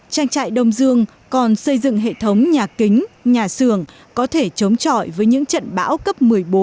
trang trại đông dương còn xây dựng hệ thống nhà kính nhà sường có thể chống chọi với những trận bão cấp một mươi bốn một mươi năm